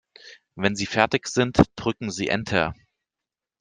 Wenn Sie fertig sind, drücken Sie Enter.